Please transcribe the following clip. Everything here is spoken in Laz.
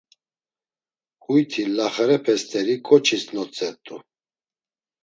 Huyti laxerepe st̆eri ǩoçis notzert̆u.